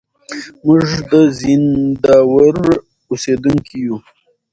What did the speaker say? موږ د زينداور اوسېدونکي يو.